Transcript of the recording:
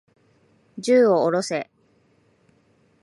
銃を下ろせ。